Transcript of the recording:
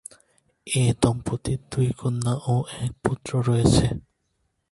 এ দম্পতির দুই কন্যা ও এক পুত্র রয়েছে।